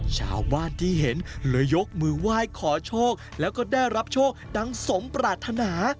ชาวบ้านที่เห็นเลยยกมือไหว้ขอโชคแล้วก็ได้รับโชคดังสมปรารถนา